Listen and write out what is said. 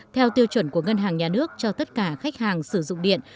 theo tiêu chuẩn của ngân hàng nhà nước cho tất cả khách hàng sử dụng điện